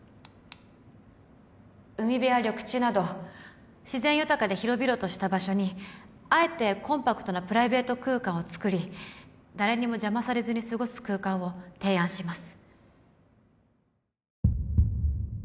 海辺や緑地など自然豊かで広々とした場所にあえてコンパクトなプライベート空間をつくり誰にも邪魔されずに過ごす空間を提案します